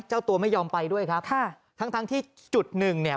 เจ้าตัวไม่ยอมไปด้วยครับค่ะทั้งทั้งที่จุดหนึ่งเนี่ย